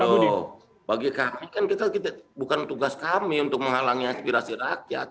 bagi kami kan kita bukan tugas kami untuk menghalangi aspirasi rakyat